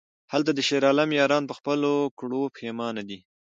هلته د شیرعالم یاران په خپلو کړو پښیمانه دي...